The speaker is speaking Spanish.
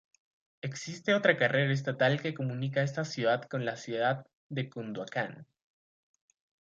Existe otra carretera estatal que comunica a esta ciudad con la ciudad de Cunduacán.